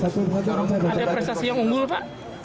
ada prestasi yang unggul pak